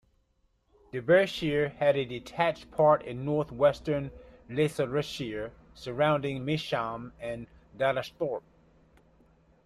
Derbyshire had a detached part in north-western Leicestershire, surrounding Measham and Donisthorpe.